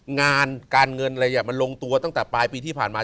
งานการเงินอะไรมันลงตัวตั้งแต่ปลายปีที่ผ่านมา